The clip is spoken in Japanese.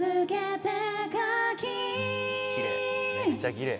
きれい。